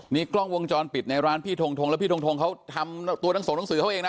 นี่กล้องวงจรปิดในร้านพี่ทงทงแล้วพี่ทงทงเขาทำตัวทั้งส่งหนังสือเขาเองนะ